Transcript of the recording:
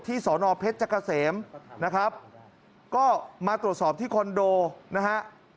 สอนอเพชรเกษมนะครับก็มาตรวจสอบที่คอนโดนะฮะ